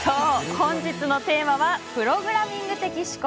本日のテーマはプログラミング的思考。